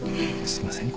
すいません。